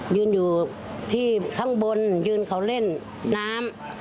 ยืนอยู่ที่ข้างบนยืนเขาเล่นน้ำ